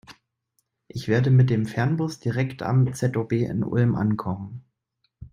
Ich werde mit dem Fernbus direkt am ZOB in Ulm ankommen.